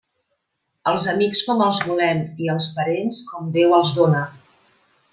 Els amics com els volem i els parents com Déu els dóna.